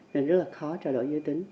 nên rất là khó trao đổi giới tính